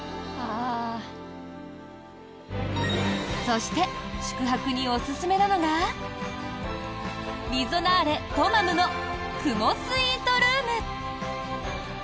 そして宿泊におすすめなのがリゾナーレトマムの雲スイートルーム。